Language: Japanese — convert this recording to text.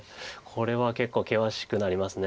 これは結構険しくなります。